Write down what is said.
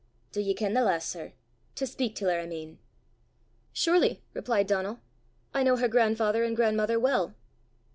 "Do ye ken the lass, sir to speyk til her, I mean?" "Surely," replied Donal. "I know her grandfather and grandmother well."